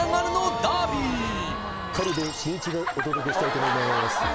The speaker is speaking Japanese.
軽部真一がお届けしたいと思います